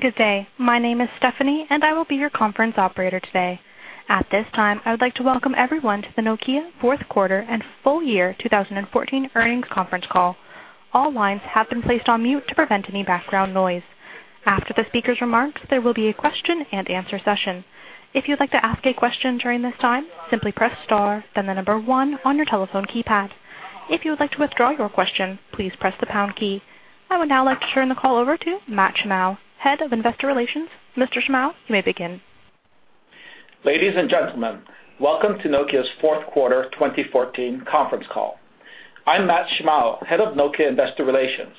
Good day. My name is Stephanie, and I will be your conference operator today. At this time, I would like to welcome everyone to the Nokia Fourth Quarter and Full Year 2014 Earnings Conference Call. All lines have been placed on mute to prevent any background noise. After the speaker's remarks, there will be a question and answer session. If you'd like to ask a question during this time, simply press star, then the number one on your telephone keypad. If you would like to withdraw your question, please press the pound key. I would now like to turn the call over to Matt Shimao, head of investor relations. Mr. Shimao, you may begin. Ladies and gentlemen, welcome to Nokia's fourth quarter 2014 conference call. I'm Matt Shimao, head of Nokia investor relations.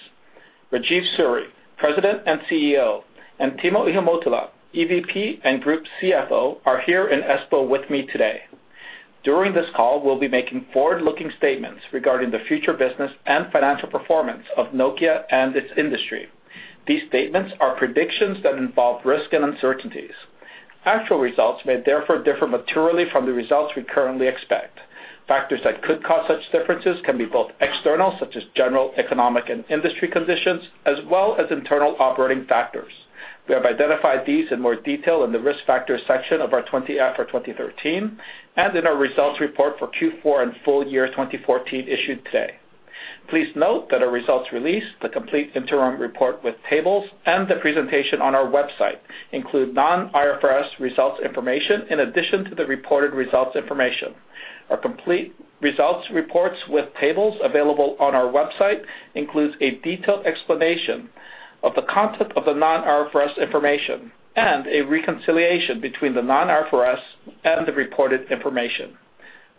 Rajeev Suri, President and CEO, and Timo Ihamuotila, EVP and Group CFO, are here in Espoo with me today. During this call, we'll be making forward-looking statements regarding the future business and financial performance of Nokia and its industry. These statements are predictions that involve risk and uncertainties. Actual results may therefore differ materially from the results we currently expect. Factors that could cause such differences can be both external, such as general economic and industry conditions, as well as internal operating factors. We have identified these in more detail in the risk factors section of our 20-F for 2013 and in our results report for Q4 and full year 2014 issued today. Please note that our results release, the complete interim report with tables, and the presentation on our website include non-IFRS results information in addition to the reported results information. Our complete results reports with tables available on our website include a detailed explanation of the content of the non-IFRS information and a reconciliation between the non-IFRS and the reported information.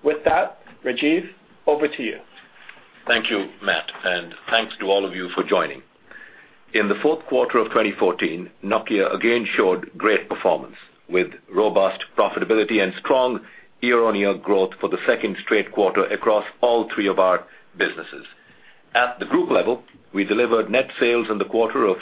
With that, Rajeev, over to you. Thank you, Matt, and thanks to all of you for joining. In the fourth quarter of 2014, Nokia again showed great performance with robust profitability and strong year-on-year growth for the second straight quarter across all three of our businesses. At the group level, we delivered net sales in the quarter of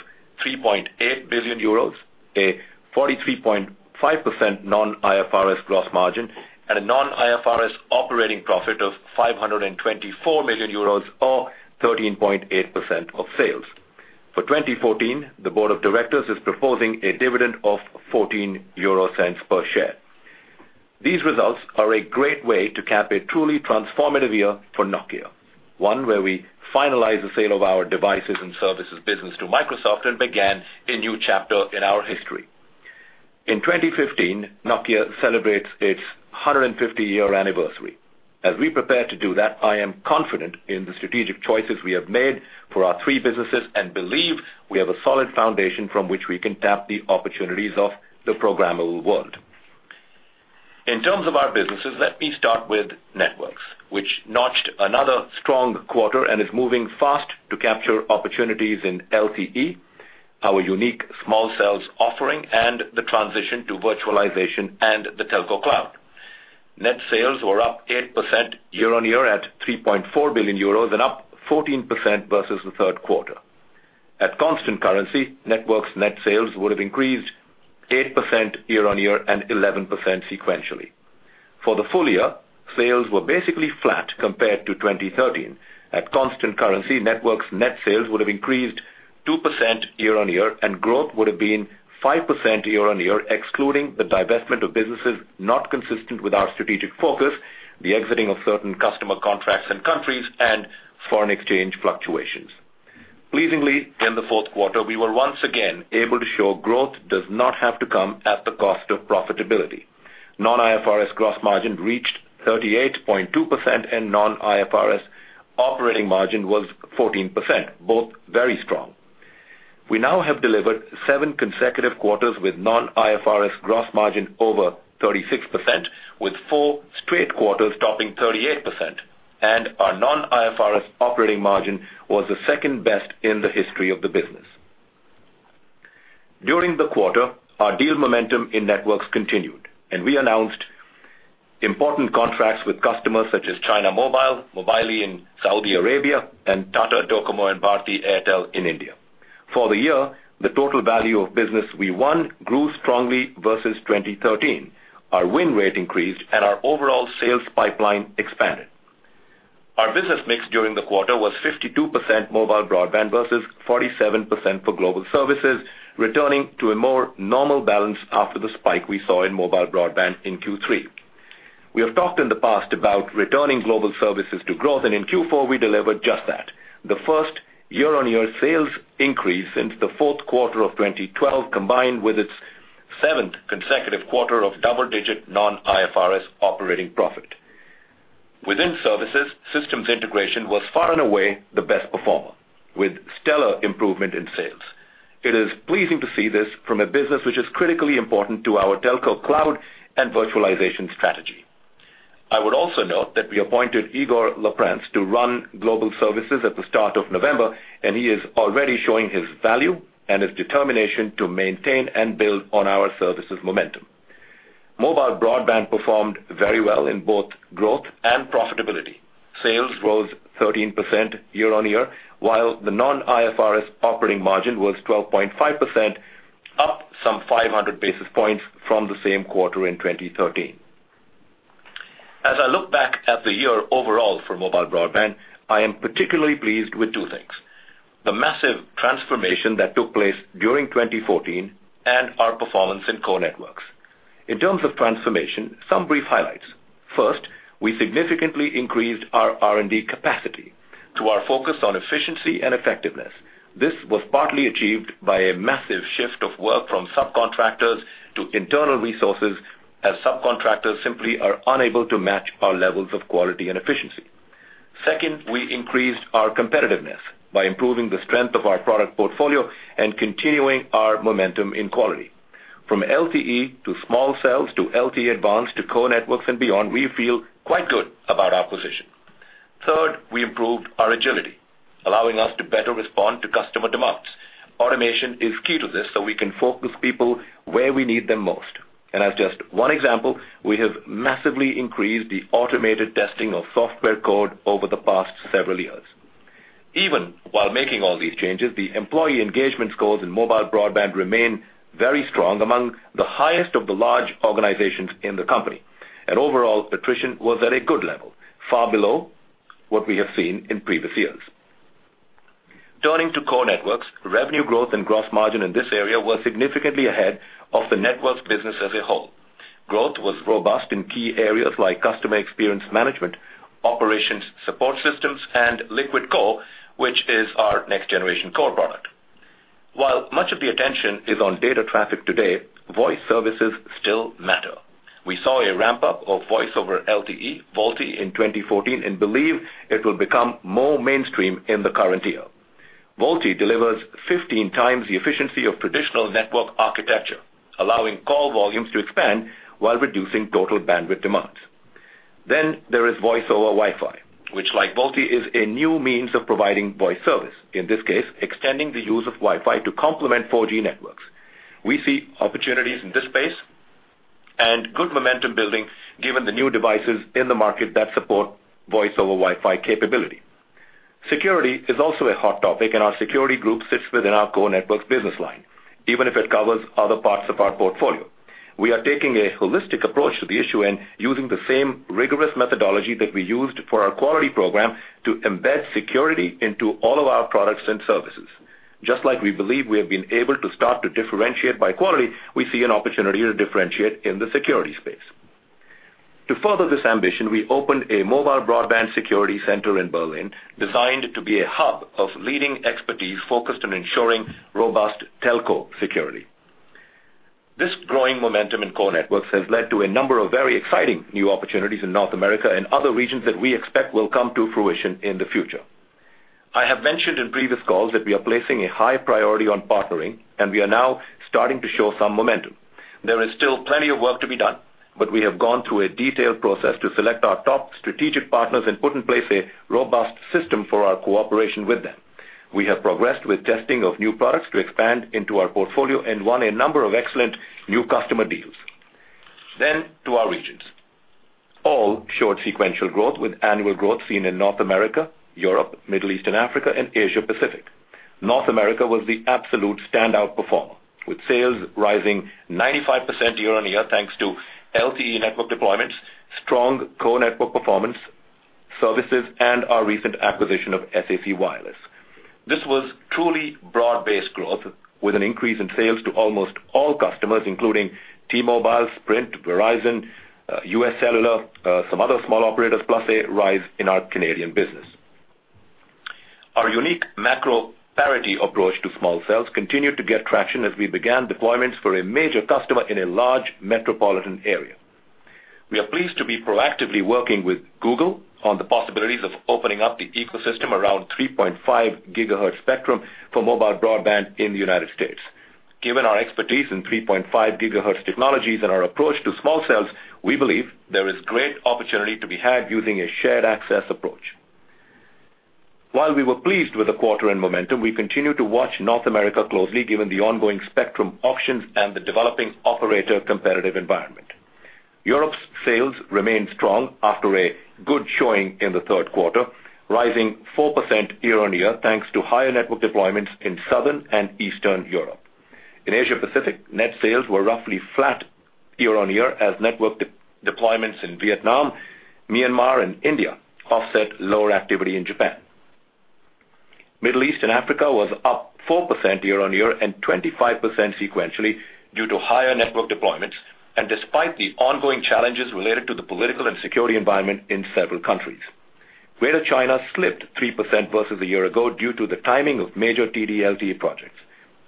3.8 billion euros, a 43.5% non-IFRS gross margin, and a non-IFRS operating profit of 524 million euros, or 13.8% of sales. For 2014, the board of directors is proposing a dividend of 0.14 per share. These results are a great way to cap a truly transformative year for Nokia, one where we finalized the sale of our Devices and Services business to Microsoft and began a new chapter in our history. In 2015, Nokia celebrates its 150 year anniversary. As we prepare to do that, I am confident in the strategic choices we have made for our three businesses and believe we have a solid foundation from which we can tap the opportunities of the programmable world. In terms of our businesses, let me start with Networks, which notched another strong quarter and is moving fast to capture opportunities in LTE, our unique small cells offering, and the transition to virtualization and the telco cloud. Net sales were up 8% year-on-year at 3.4 billion euros and up 14% versus the third quarter. At constant currency, Networks' net sales would have increased 8% year-on-year and 11% sequentially. For the full year, sales were basically flat compared to 2013. At constant currency, Networks' net sales would have increased 2% year-on-year, and growth would have been 5% year-on-year excluding the divestment of businesses not consistent with our strategic focus, the exiting of certain customer contracts in countries, and foreign exchange fluctuations. Pleasingly, in the fourth quarter, we were once again able to show growth does not have to come at the cost of profitability. Non-IFRS gross margin reached 38.2%, and non-IFRS operating margin was 14%, both very strong. We now have delivered seven consecutive quarters with non-IFRS gross margin over 36%, with four straight quarters topping 38%, and our non-IFRS operating margin was the second best in the history of the business. During the quarter, our deal momentum in Networks continued, and we announced important contracts with customers such as China Mobile, Mobily in Saudi Arabia, and Tata DoCoMo and Bharti Airtel in India. For the year, the total value of business we won grew strongly versus 2013. Our win rate increased, and our overall sales pipeline expanded. Our business mix during the quarter was 52% mobile broadband versus 47% for global services, returning to a more normal balance after the spike we saw in mobile broadband in Q3. We have talked in the past about returning global services to growth, and in Q4, we delivered just that, the first year-on-year sales increase since the fourth quarter of 2012 combined with its seventh consecutive quarter of double-digit non-IFRS operating profit. Within services, Systems Integration was far and away the best performer, with stellar improvement in sales. It is pleasing to see this from a business which is critically important to our telco cloud and virtualization strategy. I would also note that we appointed Igor Leprince to run global services at the start of November, and he is already showing his value and his determination to maintain and build on our services momentum. Mobile broadband performed very well in both growth and profitability. Sales rose 13% year-on-year, while the non-IFRS operating margin was 12.5%, up some 500 basis points from the same quarter in 2013. As I look back at the year overall for mobile broadband, I am particularly pleased with two things: the massive transformation that took place during 2014 and our performance in Core Networks. In terms of transformation, some brief highlights. First, we significantly increased our R&D capacity to our focus on efficiency and effectiveness. This was partly achieved by a massive shift of work from subcontractors to internal resources, as subcontractors simply are unable to match our levels of quality and efficiency. Second, we increased our competitiveness by improving the strength of our product portfolio and continuing our momentum in quality. From LTE to small cells to LTE Advanced to Core Networks and beyond, we feel quite good about our position. Third, we improved our agility, allowing us to better respond to customer demands. Automation is key to this so we can focus people where we need them most. And as just one example, we have massively increased the automated testing of software code over the past several years. Even while making all these changes, the employee engagement scores in mobile broadband remain very strong, among the highest of the large organizations in the company. And overall, attrition was at a good level, far below what we have seen in previous years. Turning to Core Networks, revenue growth and gross margin in this area were significantly ahead of the Networks business as a whole. Growth was robust in key areas like Customer Experience Management, operations support systems, and Liquid Core, which is our next-generation core product. While much of the attention is on data traffic today, voice services still matter. We saw a ramp-up of Voice over LTE, VoLTE, in 2014 and believe it will become more mainstream in the current year. VoLTE delivers 15x the efficiency of traditional network architecture, allowing call volumes to expand while reducing total bandwidth demands. Then there is Voice over Wi-Fi, which, like VoLTE, is a new means of providing voice service, in this case, extending the use of Wi-Fi to complement 4G Networks. We see opportunities in this space and good momentum building given the new devices in the market that support Voice over Wi-Fi capability. Security is also a hot topic, and our security group sits within our Core Networks business line, even if it covers other parts of our portfolio. We are taking a holistic approach to the issue and using the same rigorous methodology that we used for our quality program to embed security into all of our products and services. Just like we believe we have been able to start to differentiate by quality, we see an opportunity to differentiate in the security space. To further this ambition, we opened a mobile broadband security center in Berlin designed to be a hub of leading expertise focused on ensuring robust telco security. This growing momentum in Core Networks has led to a number of very exciting new opportunities in North America and other regions that we expect will come to fruition in the future. I have mentioned in previous calls that we are placing a high priority on partnering, and we are now starting to show some momentum. There is still plenty of work to be done, but we have gone through a detailed process to select our top strategic partners and put in place a robust system for our cooperation with them. We have progressed with testing of new products to expand into our portfolio and won a number of excellent new customer deals. Then to our regions, all showed sequential growth with annual growth seen in North America, Europe, Middle East, and Africa, and Asia-Pacific. North America was the absolute standout performer, with sales rising 95% year-on-year thanks to LTE network deployments, strong core network performance, services, and our recent acquisition of SAC Wireless. This was truly broad-based growth, with an increase in sales to almost all customers, including T-Mobile, Sprint, Verizon, US Cellular, some other small operators, plus a rise in our Canadian business. Our unique macro parity approach to small cells continued to get traction as we began deployments for a major customer in a large metropolitan area. We are pleased to be proactively working with Google on the possibilities of opening up the ecosystem around 3.5 GHz spectrum for mobile broadband in the United States. Given our expertise in 3.5 GHz Technologies and our approach to small cells, we believe there is great opportunity to be had using a shared access approach. While we were pleased with the quarter and momentum, we continue to watch North America closely given the ongoing spectrum auctions and the developing operator competitive environment. Europe's sales remained strong after a good showing in the third quarter, rising 4% year-on-year thanks to higher network deployments in southern and eastern Europe. In Asia-Pacific, net sales were roughly flat year-on-year as network deployments in Vietnam, Myanmar, and India offset lower activity in Japan. Middle East and Africa were up 4% year-on-year and 25% sequentially due to higher network deployments and despite the ongoing challenges related to the political and security environment in several countries. Greater China slipped 3% versus a year ago due to the timing of major TD-LTE projects.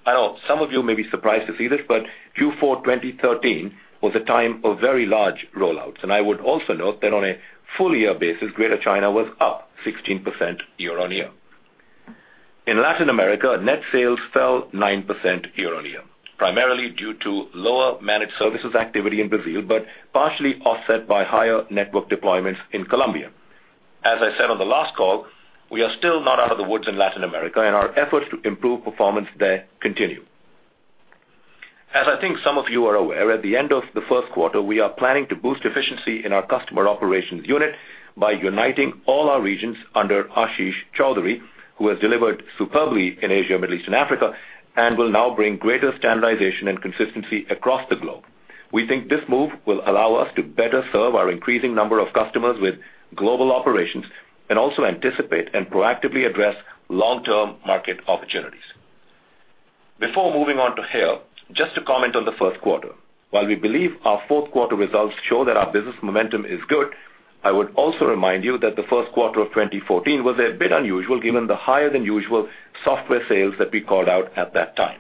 I know some of you may be surprised to see this, but Q4 2013 was a time of very large rollouts. I would also note that on a full year basis, Greater China was up 16% year-on-year. In Latin America, net sales fell 9% year-on-year, primarily due to lower managed services activity in Brazil but partially offset by higher network deployments in Colombia. As I said on the last call, we are still not out of the woods in Latin America, and our efforts to improve performance there continue. As I think some of you are aware, at the end of the first quarter, we are planning to boost efficiency in our Customer Operations unit by uniting all our regions under Ashish Chowdhary, who has delivered superbly in Asia, Middle East, and Africa, and will now bring greater standardization and consistency across the globe. We think this move will allow us to better serve our increasing number of customers with global operations and also anticipate and proactively address long-term market opportunities. Before moving on to HERE, just to comment on the first quarter. While we believe our fourth quarter results show that our business momentum is good, I would also remind you that the first quarter of 2014 was a bit unusual given the higher than usual software sales that we called out at that time.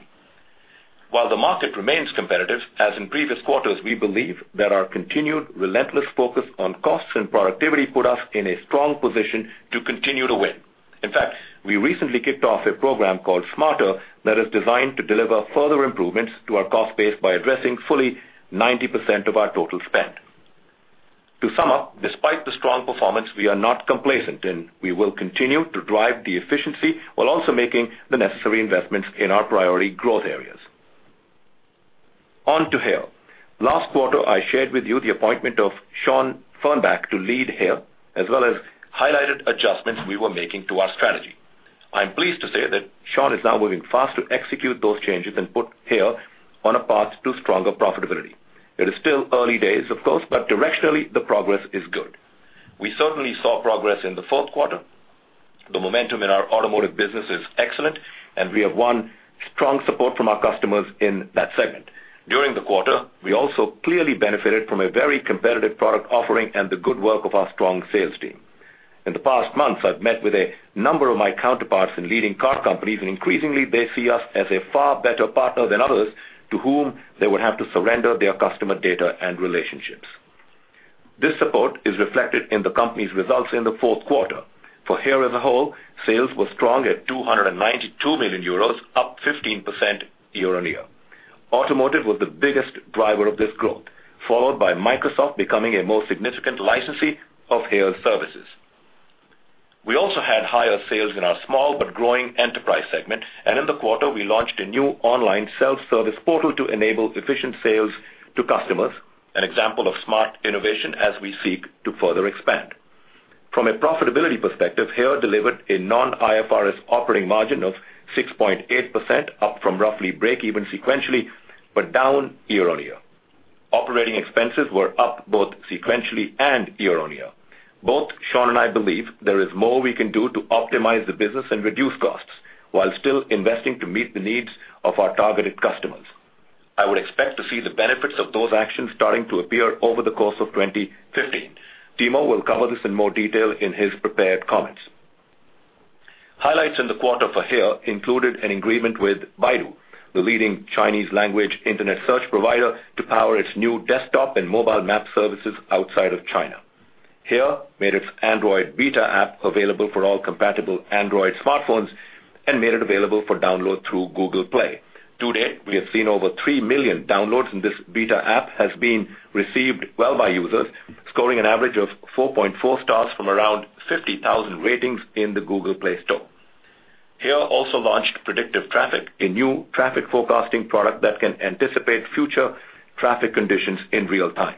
While the market remains competitive, as in previous quarters, we believe that our continued relentless focus on costs and productivity put us in a strong position to continue to win. In fact, we recently kicked off a program called Smarter that is designed to deliver further improvements to our cost base by addressing fully 90% of our total spend. To sum up, despite the strong performance, we are not complacent, and we will continue to drive the efficiency while also making the necessary investments in our priority growth areas. On to HERE. Last quarter, I shared with you the appointment of Sean Fernbach to lead HERE as well as highlighted adjustments we were making to our strategy. I'm pleased to say that Sean is now moving fast to execute those changes and put HERE on a path to stronger profitability. It is still early days, of course, but directionally, the progress is good. We certainly saw progress in the fourth quarter. The momentum in our automotive business is excellent, and we have won strong support from our customers in that segment. During the quarter, we also clearly benefited from a very competitive product offering and the good work of our strong sales team. In the past months, I've met with a number of my counterparts in leading car companies, and increasingly, they see us as a far better partner than others to whom they would have to surrender their customer data and relationships. This support is reflected in the company's results in the fourth quarter. For HERE as a whole, sales were strong at 292 million euros, up 15% year-on-year. Automotive was the biggest driver of this growth, followed by Microsoft becoming a more significant licensee of HERE services. We also had higher sales in our small but growing enterprise segment, and in the quarter, we launched a new online self-service portal to enable efficient sales to customers, an example of smart innovation as we seek to further expand. From a profitability perspective, HERE delivered a non-IFRS operating margin of 6.8%, up from roughly break-even sequentially but down year-on-year. Operating expenses were up both sequentially and year-on-year. Both Sean and I believe there is more we can do to optimize the business and reduce costs while still investing to meet the needs of our targeted customers. I would expect to see the benefits of those actions starting to appear over the course of 2015. Timo will cover this in more detail in his prepared comments. Highlights in the quarter for HERE included an agreement with Baidu, the leading Chinese-language internet search provider to power its new desktop and mobile map services outside of China. HERE made its Android beta app available for all compatible Android smartphones and made it available for download through Google Play. To date, we have seen over 3 million downloads, and this beta app has been received well by users, scoring an average of 4.4 stars from around 50,000 ratings in the Google Play Store. HERE also launched Predictive Traffic, a new traffic forecasting product that can anticipate future traffic conditions in real time.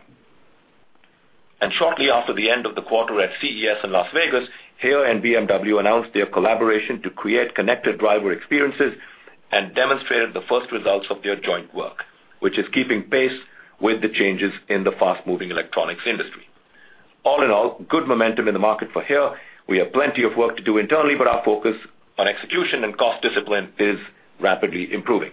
Shortly after the end of the quarter at CES in Las Vegas, HERE and BMW announced their collaboration to create connected driver experiences and demonstrated the first results of their joint work, which is keeping pace with the changes in the fast-moving electronics industry. All in all, good momentum in the market for HERE. We have plenty of work to do internally, but our focus on execution and cost discipline is rapidly improving.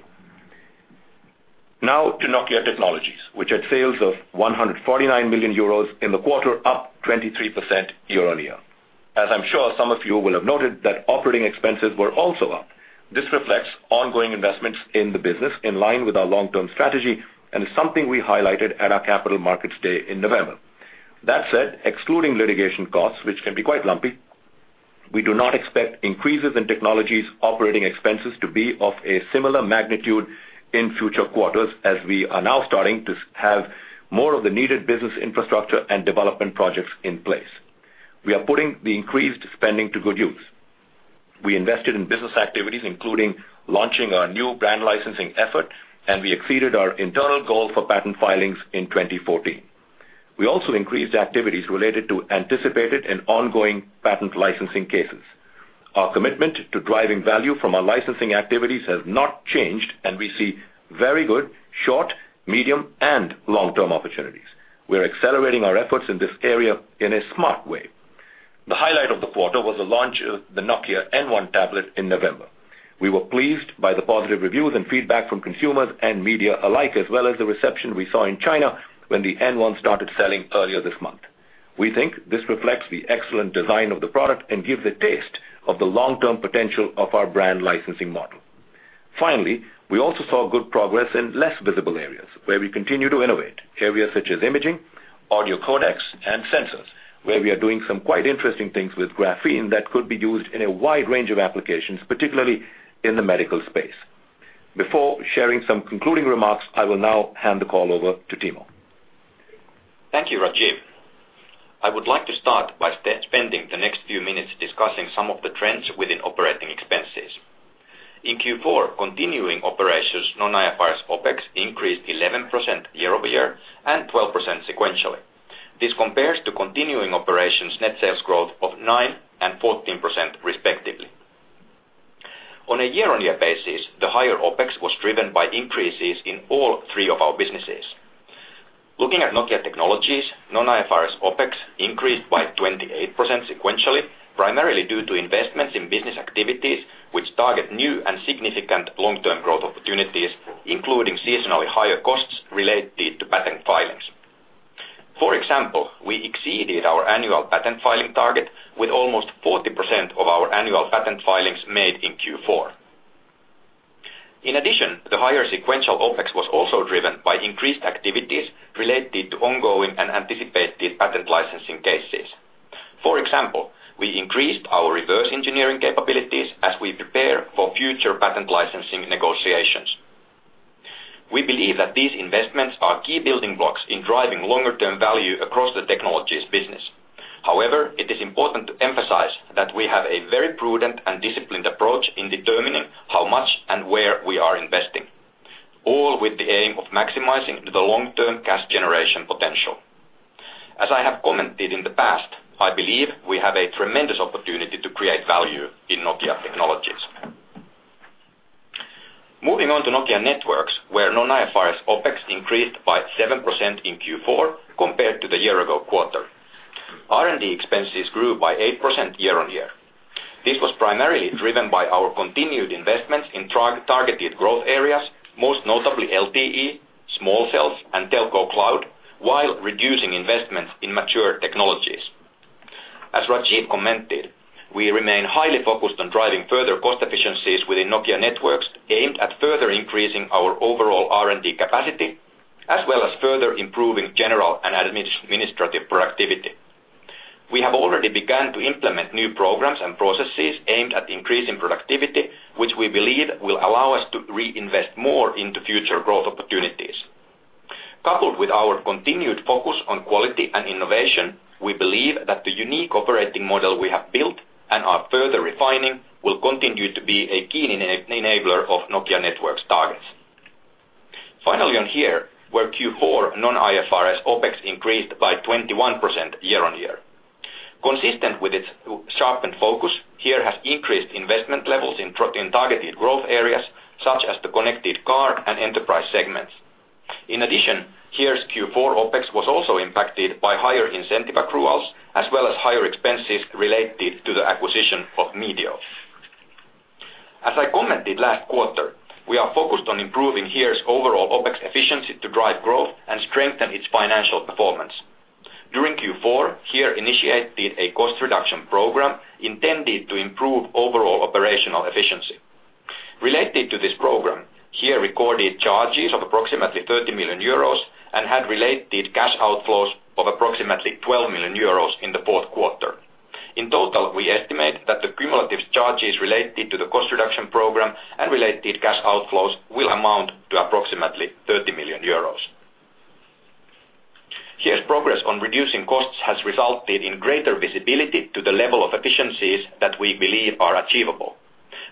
Now to Nokia Technologies, which had sales of 149 million euros in the quarter, up 23% year-on-year. As I'm sure some of you will have noted, that operating expenses were also up. This reflects ongoing investments in the business in line with our long-term strategy and is something we highlighted at our Capital Markets Day in November. That said, excluding litigation costs, which can be quite lumpy, we do not expect increases in technologies operating expenses to be of a similar magnitude in future quarters as we are now starting to have more of the needed business infrastructure and development projects in place. We are putting the increased spending to good use. We invested in business activities, including launching our new brand licensing effort, and we exceeded our internal goal for patent filings in 2014. We also increased activities related to anticipated and ongoing patent licensing cases. Our commitment to driving value from our licensing activities has not changed, and we see very good short, medium, and long-term opportunities. We are accelerating our efforts in this area in a smart way. The highlight of the quarter was the launch of the Nokia N1 tablet in November. We were pleased by the positive reviews and feedback from consumers and media alike, as well as the reception we saw in China when the N1 started selling earlier this month. We think this reflects the excellent design of the product and gives a taste of the long-term potential of our brand licensing model. Finally, we also saw good progress in less visible areas where we continue to innovate, areas such as imaging, audio codecs, and sensors, where we are doing some quite interesting things with graphene that could be used in a wide range of applications, particularly in the medical space. Before sharing some concluding remarks, I will now hand the call over to Timo. Thank you, Rajeev. I would like to start by spending the next few minutes discussing some of the trends within operating expenses. In Q4, continuing operations non-IFRS OPEX increased 11% year-over-year and 12% sequentially. This compares to continuing operations net sales growth of 9% and 14%, respectively. On a year-on-year basis, the higher OPEX was driven by increases in all three of our businesses. Looking at Nokia Technologies, non-IFRS OPEX increased by 28% sequentially, primarily due to investments in business activities which target new and significant long-term growth opportunities, including seasonally higher costs related to patent filings. For example, we exceeded our annual patent filing target with almost 40% of our annual patent filings made in Q4. In addition, the higher sequential OPEX was also driven by increased activities related to ongoing and anticipated patent licensing cases. For example, we increased our reverse engineering capabilities as we prepare for future patent licensing negotiations. We believe that these investments are key building blocks in driving longer-term value across the technologies business. However, it is important to emphasize that we have a very prudent and disciplined approach in determining how much and where we are investing, all with the aim of maximizing the long-term cash generation potential. As I have commented in the past, I believe we have a tremendous opportunity to create value in Nokia Technologies. Moving on to Nokia Networks, where non-IFRS OpEx increased by 7% in Q4 compared to the year-ago quarter, R&D expenses grew by 8% year-on-year. This was primarily driven by our continued investments in targeted growth areas, most notably LTE, small cells, and telco cloud, while reducing investments in mature technologies. As Rajeev commented, we remain highly focused on driving further cost efficiencies within Nokia Networks aimed at further increasing our overall R&D capacity as well as further improving general and administrative productivity. We have already begun to implement new programs and processes aimed at increasing productivity, which we believe will allow us to reinvest more into future growth opportunities. Coupled with our continued focus on quality and innovation, we believe that the unique operating model we have built and are further refining will continue to be a key enabler of Nokia Networks' targets. Finally, on HERE, where Q4 non-IFRS OpEx increased by 21% year-on-year. Consistent with its sharpened focus, HERE has increased investment levels in targeted growth areas such as the connected car and enterprise segments. In addition, HERE's Q4 OpEx was also impacted by higher incentive accruals as well as higher expenses related to the acquisition of Medio. As I commented last quarter, we are focused on improving HERE's overall OpEx efficiency to drive growth and strengthen its financial performance. During Q4, HERE initiated a cost reduction program intended to improve overall operational efficiency. Related to this program, HERE recorded charges of approximately 30 million euros and had related cash outflows of approximately 12 million euros in the fourth quarter. In total, we estimate that the cumulative charges related to the cost reduction program and related cash outflows will amount to approximately 30 million euros. HERE's progress on reducing costs has resulted in greater visibility to the level of efficiencies that we believe are achievable.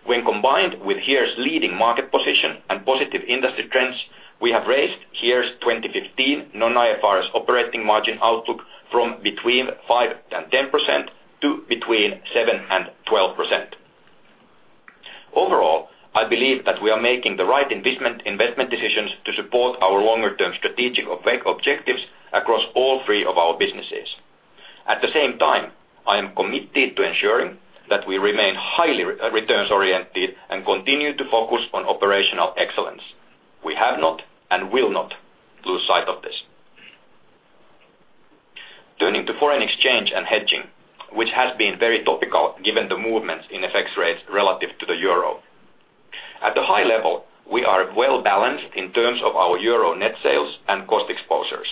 When combined with HERE's leading market position and positive industry trends, we have raised HERE's 2015 non-IFRS operating margin outlook from between 5% and 10% to between 7% and 12%. Overall, I believe that we are making the right investment decisions to support our longer-term strategic objectives across all three of our businesses. At the same time, I am committed to ensuring that we remain highly returns-oriented and continue to focus on operational excellence. We have not and will not lose sight of this. Turning to foreign exchange and hedging, which has been very topical given the movements in exchange rates relative to the Euro. At a high level, we are well balanced in terms of our euro net sales and cost exposures.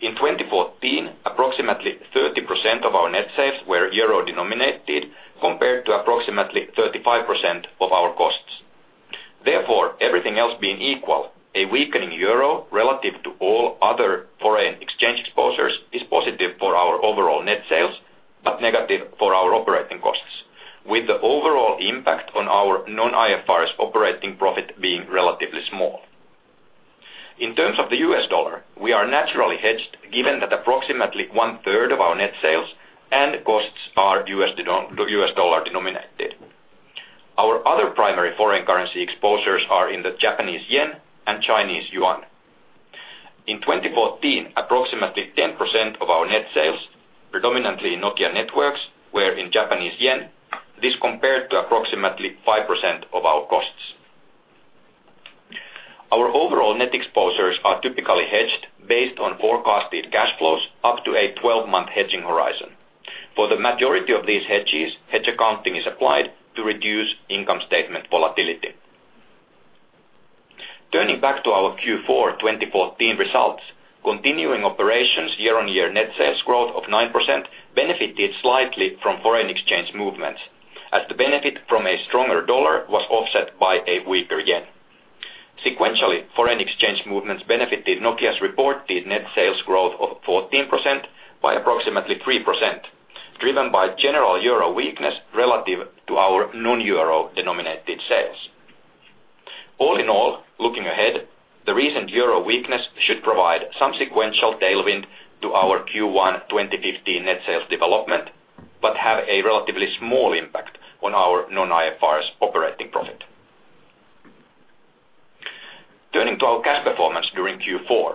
In 2014, approximately 30% of our net sales were euro-denominated compared to approximately 35% of our costs. Therefore, everything else being equal, a weakening euro relative to all other foreign exchange exposures is positive for our overall net sales but negative for our operating costs, with the overall impact on our non-IFRS operating profit being relatively small. In terms of the US dollar, we are naturally hedged given that approximately1/3 of our net sales and costs are US dollar denominated. Our other primary foreign currency exposures are in the Japanese yen and Chinese yuan. In 2014, approximately 10% of our net sales, predominantly in Nokia Networks, were in Japanese yen. This compared to approximately 5% of our costs. Our overall net exposures are typically hedged based on forecasted cash flows up to a 12 month hedging horizon. For the majority of these hedges, hedge accounting is applied to reduce income statement volatility. Turning back to our Q4 2014 results, continuing operations year-on-year net sales growth of 9% benefited slightly from foreign exchange movements as the benefit from a stronger dollar was offset by a weaker yen. Sequentially, foreign exchange movements benefited Nokia's reported net sales growth of 14% by approximately 3%, driven by general euro weakness relative to our non-euro denominated sales. All in all, looking ahead, the recent euro weakness should provide some sequential tailwind to our Q1 2015 net sales development but have a relatively small impact on our non-IFRS operating profit. Turning to our cash performance during Q4,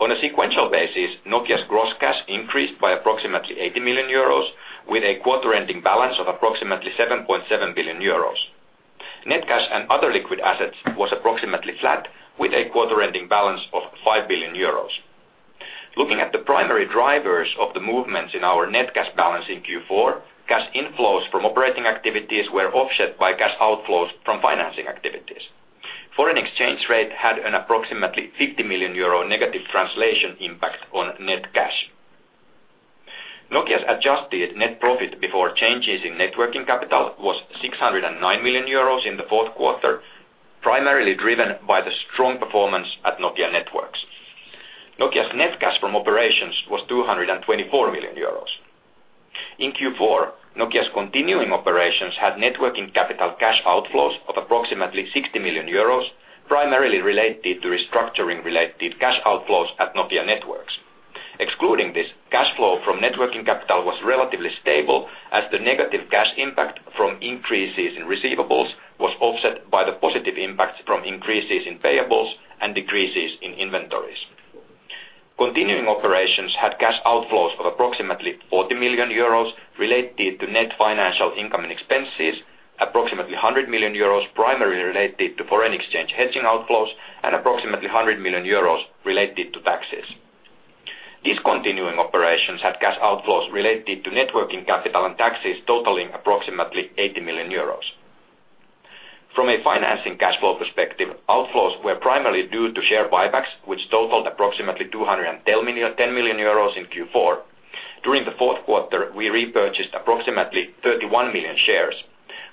on a sequential basis, Nokia's gross cash increased by approximately 80 million euros with a quarter-ending balance of approximately 7.7 billion euros. Net cash and other liquid assets were approximately flat with a quarter-ending balance of 5 billion euros. Looking at the primary drivers of the movements in our net cash balance in Q4, cash inflows from operating activities were offset by cash outflows from financing activities. Foreign exchange rate had an approximately 50 million euro negative translation impact on net cash. Nokia's adjusted net profit before changes in net working capital was 609 million euros in the fourth quarter, primarily driven by the strong performance at Nokia Networks. Nokia's net cash from operations was 224 million euros. In Q4, Nokia's continuing operations had net working capital cash outflows of approximately 60 million euros, primarily related to restructuring-related cash outflows at Nokia Networks. Excluding this, cash flow from net working capital was relatively stable as the negative cash impact from increases in receivables was offset by the positive impacts from increases in payables and decreases in inventories. Continuing operations had cash outflows of approximately 40 million euros related to net financial income and expenses, approximately 100 million euros primarily related to foreign exchange hedging outflows, and approximately 100 million euros related to taxes. These continuing operations had cash outflows related to net working capital and taxes totaling approximately 80 million euros. From a financing cash flow perspective, outflows were primarily due to share buybacks, which totaled approximately 210 million euros in Q4. During the fourth quarter, we repurchased approximately 31 million shares.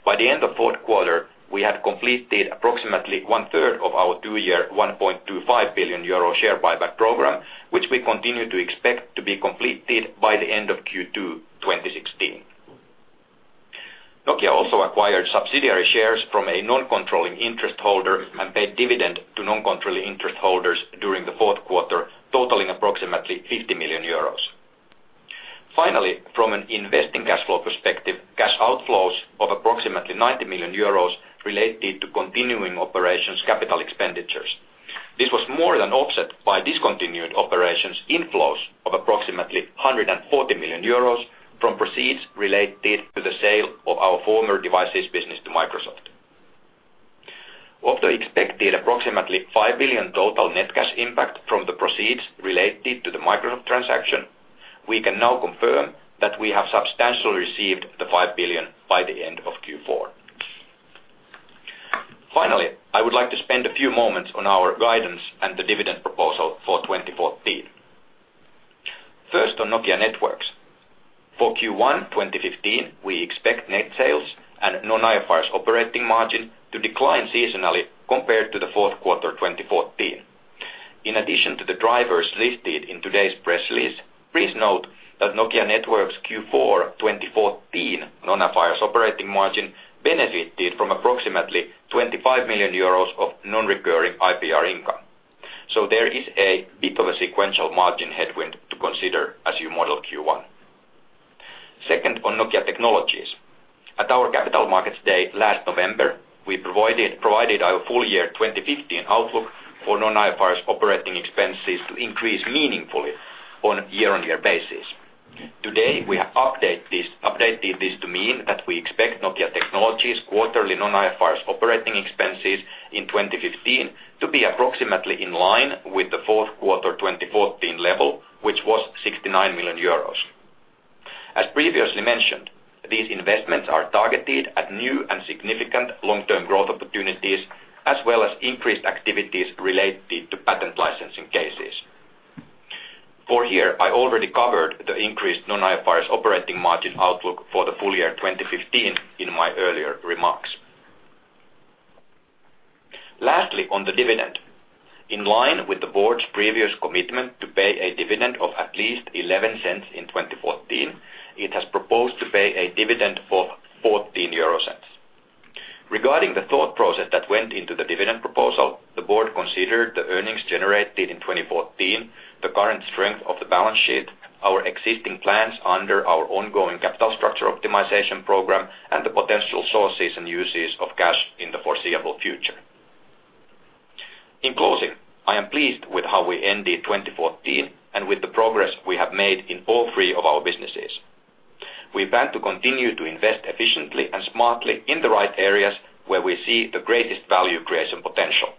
By the end of fourth quarter, we had completed approximately one-third of our two-year 1.25 billion euro share buyback program, which we continue to expect to be completed by the end of Q2 2016. Nokia also acquired subsidiary shares from a non-controlling interest holder and paid dividend to non-controlling interest holders during the fourth quarter, totaling approximately 50 million euros. Finally, from an investing cash flow perspective, cash outflows of approximately 90 million euros related to continuing operations capital expenditures. This was more than offset by discontinued operations inflows of approximately 140 million euros from proceeds related to the sale of our former devices business to Microsoft. Of the expected approximately 5 billion total net cash impact from the proceeds related to the Microsoft transaction, we can now confirm that we have substantially received the 5 billion by the end of Q4. Finally, I would like to spend a few moments on our guidance and the dividend proposal for 2014. First, on Nokia Networks, for Q1 2015, we expect net sales and non-IFRS operating margin to decline seasonally compared to the fourth quarter 2014. In addition to the drivers listed in today's press release, please note that Nokia Networks' Q4 2014 non-IFRS operating margin benefited from approximately 25 million euros of non-recurring IPR income, so there is a bit of a sequential margin headwind to consider as you model Q1. Second, on Nokia Technologies, at our Capital Markets Day last November, we provided our full year 2015 outlook for non-IFRS operating expenses to increase meaningfully on a year-on-year basis. Today, we have updated this to mean that we expect Nokia Technologies' quarterly non-IFRS operating expenses in 2015 to be approximately in line with the fourth quarter 2014 level, which was 69 million euros. As previously mentioned, these investments are targeted at new and significant long-term growth opportunities as well as increased activities related to patent licensing cases. For HERE, I already covered the increased non-IFRS operating margin outlook for the full year 2015 in my earlier remarks. Lastly, on the dividend, in line with the board's previous commitment to pay a dividend of at least 0.11 in 2014, it has proposed to pay a dividend of 0.14. Regarding the thought process that went into the dividend proposal, the board considered the earnings generated in 2014, the current strength of the balance sheet, our existing plans under our ongoing capital structure optimization program, and the potential sources and uses of cash in the foreseeable future. In closing, I am pleased with how we ended 2014 and with the progress we have made in all three of our businesses. We plan to continue to invest efficiently and smartly in the right areas where we see the greatest value creation potential.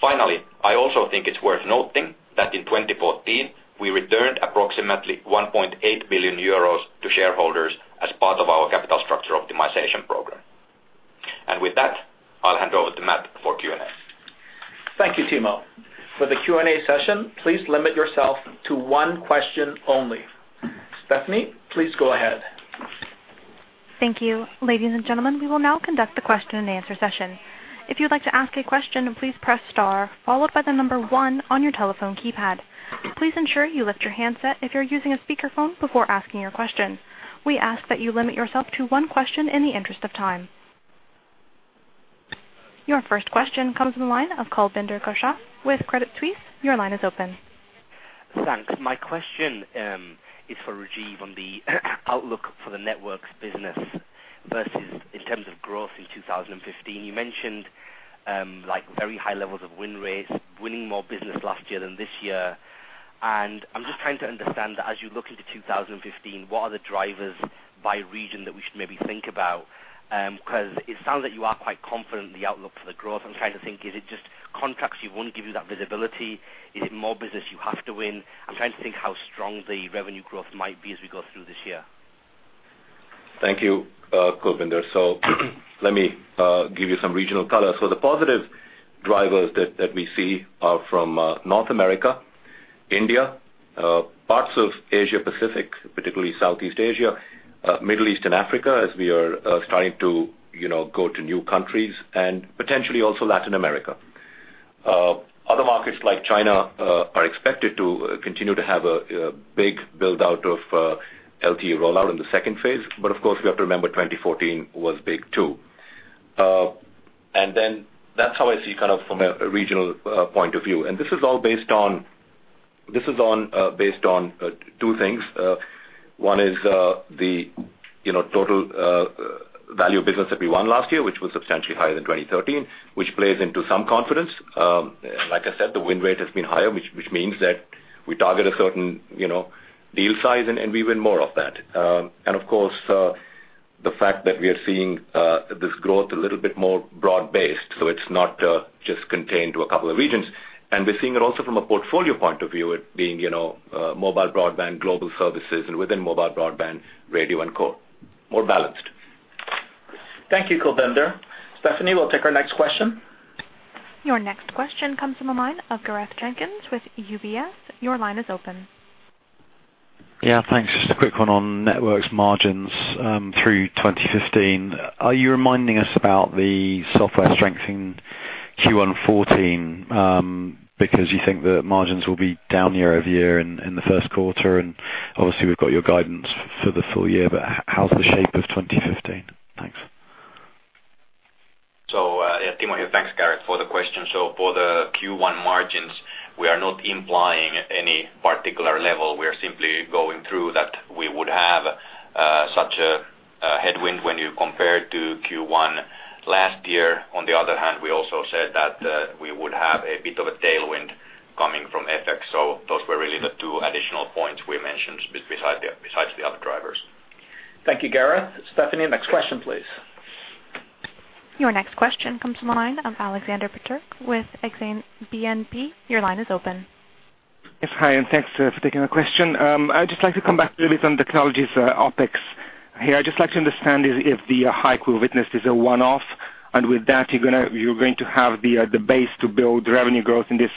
Finally, I also think it's worth noting that in 2014, we returned approximately 1.8 billion euros to shareholders as part of our capital structure optimization program. With that, I'll hand over to Matt for Q and A. Thank you, Timo. For the Q and A session, please limit yourself to one question only. Stephanie, please go ahead. Thank you. Ladies and gentlemen, we will now conduct the question and answer session. If you would like to ask a question, please press star followed by the number one on your telephone keypad. Please ensure you lift your handset if you're using a speakerphone before asking your question. We ask that you limit yourself to one question in the interest of time. Your first question comes from the line of Kulbinder Garcha with Credit Suisse. Your line is open. Thanks. My question is for Rajeev on the outlook for the networks business versus, in terms of growth in 2015. You mentioned very high levels of win rates, winning more business last year than this year. And I'm just trying to understand that as you look into 2015, what are the drivers by region that we should maybe think about? Because it sounds like you are quite confident in the outlook for the growth. I'm trying to think, is it just contracts you won't give you that visibility? Is it more business you have to win? I'm trying to think how strong the revenue growth might be as we go through this year. Thank you, Kulbinder Garcha. So let me give you some regional colors. So the positive drivers that we see are from North America, India, parts of Asia-Pacific, particularly Southeast Asia, Middle East, and Africa as we are starting to go to new countries, and potentially also Latin America. Other markets like China are expected to continue to have a big build-out of LTE rollout in the second phase. But of course, we have to remember 2014 was big too. And then that's how I see kind of from a regional point of view. This is all based on two things. One is the total value of business that we won last year, which was substantially higher than 2013, which plays into some confidence. Like I said, the win rate has been higher, which means that we target a certain deal size and we win more of that. And of course, the fact that we are seeing this growth a little bit more broad-based, so it's not just contained to a couple of regions. And we're seeing it also from a portfolio point of view, it being mobile broadband, global services, and within mobile broadband, radio and core, more balanced. Thank you, Kulbinder Garcha. Stephanie, we'll take our next question. Your next question comes from a line of Gareth Jenkins with UBS. Your line is open. Yeah. Thanks. Just a quick one on Networks margins through 2015. Are you reminding us about the software strengthening Q1 2014 because you think that margins will be down year over year in the first quarter? And obviously, we've got your guidance for the full year, but how's the shape of 2015? Thanks. So yeah, Timo, thanks, Gareth, for the question. So for the Q1 margins, we are not implying any particular level. We are simply going through that we would have such a headwind when you compare to Q1 last year. On the other hand, we also said that we would have a bit of a tailwind coming from FX. So those were really the two additional points we mentioned besides the other drivers. Thank you, Gareth. Stephanie, next question, please. Your next question comes from a line of Alexander Peterc with Exane BNP. Your line is open. Yes. Hi. And thanks for taking my question. I would just like to come back a little bit on Technologies' OpEx here. I'd just like to understand if the hype we've witnessed is a one-off, and with that, you're going to have the base to build revenue growth in this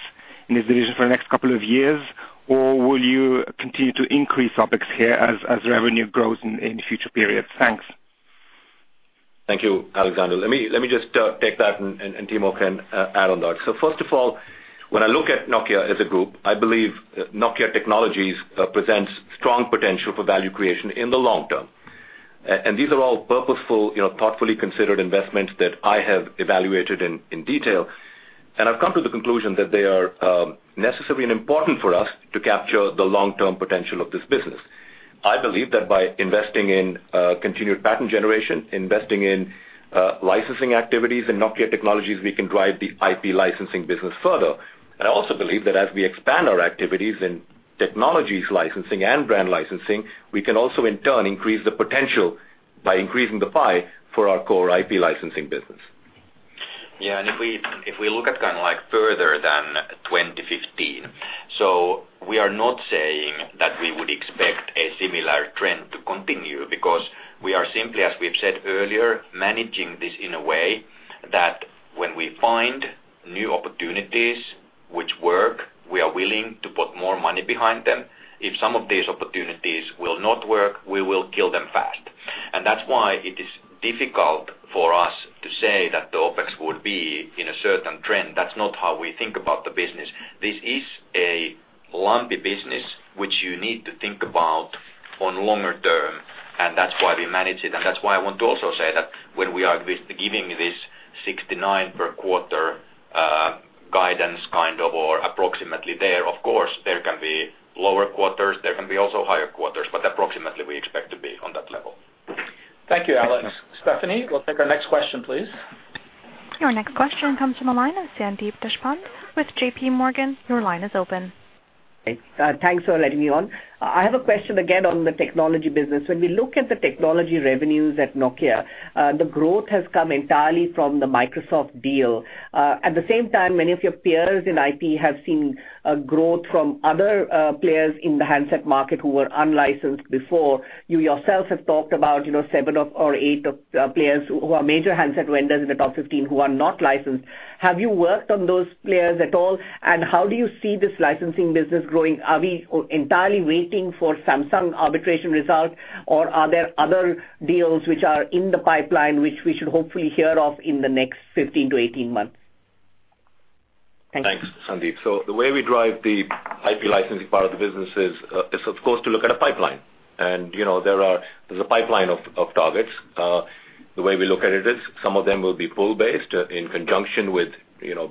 division for the next couple of years, or will you continue to increase OpEx here as revenue grows in future periods? Thanks. Thank you, Alexander. Let me just take that, and Timo can add on that. So first of all, when I look at Nokia as a group, I believe Nokia Technologies presents strong potential for value creation in the long term. These are all purposeful, thoughtfully considered investments that I have evaluated in detail. I've come to the conclusion that they are necessary and important for us to capture the long-term potential of this business. I believe that by investing in continued patent generation, investing in licensing activities in Nokia Technologies, we can drive the IP licensing business further. And I also believe that as we expand our activities in technologies licensing and brand licensing, we can also, in turn, increase the potential by increasing the pie for our core IP licensing business. Yeah. If we look at kind of further than 2015, so we are not saying that we would expect a similar trend to continue because we are simply, as we've said earlier, managing this in a way that when we find new opportunities which work, we are willing to put more money behind them. If some of these opportunities will not work, we will kill them fast. And that's why it is difficult for us to say that the OpEx would be in a certain trend. That's not how we think about the business. This is a lumpy business which you need to think about on longer term, and that's why we manage it. And that's why I want to also say that when we are giving this 69 per quarter guidance kind of or approximately there, of course, there can be lower quarters. There can be also higher quarters, but approximately, we expect to be on that level. Thank you, Alex. Stephanie, we'll take our next question, please. Your next question comes from a line of Sandeep Deshpande with J.P. Morgan. Your line is open. Thanks for letting me on. I have a question again on the technology business. When we look at the technology revenues at Nokia, the growth has come entirely from the Microsoft deal. At the same time, many of your peers in IP have seen growth from other players in the handset market who were unlicensed before. You yourself have talked about seven or eight players who are major handset vendors in the top 15 who are not licensed. Have you worked on those players at all? And how do you see this licensing business growing? Are we entirely waiting for Samsung arbitration result, or are there other deals which are in the pipeline which we should hopefully hear of in the next 15months-18 months? Thanks. Thanks, Sandeep. So the way we drive the IP licensing part of the business is, of course, to look at a pipeline. And there's a pipeline of targets. The way we look at it is some of them will be pull-based in conjunction with